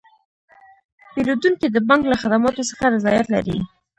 پیرودونکي د بانک له خدماتو څخه رضایت لري.